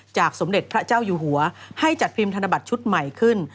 สมเด็จพระเจ้าอยู่หัวให้จัดพิมพ์ธนบัตรชุดใหม่ขึ้น